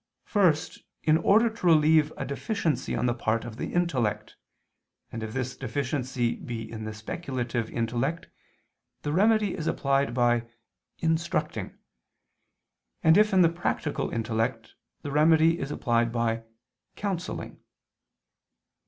First, in order to relieve a deficiency on the part of the intellect, and if this deficiency be in the speculative intellect, the remedy is applied by instructing, and if in the practical intellect, the remedy is applied by _counselling.